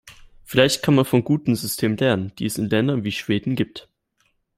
Vielleicht kann man von guten Systemen lernen, die es in Ländern wie Schweden gibt.